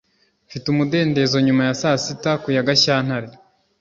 Mfite umudendezo nyuma ya saa sita ku ya Gashyantare